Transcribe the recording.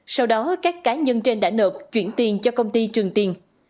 sau đó các cá nhân trên đã nợ chuyển tiền cho công ty trường tiền